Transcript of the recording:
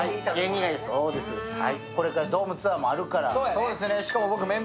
これからドームツアーもあるから。